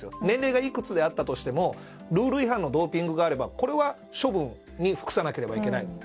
年齢がいくつであったとしてもルール違反のドーピングがあればこれは処分に服さなければいけない。